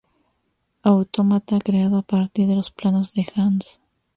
Autómata creado a partir de los planos de Hans.